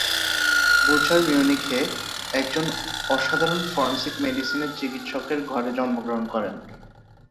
Butcher মিউনিখে একজন অসাধারণ ফরেনসিক মেডিসিনের চিকিৎসকের ঘরে জন্মগ্রহণ করেন।